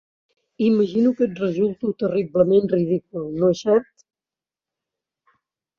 Imagino que et resulto terriblement ridícul, no és cert?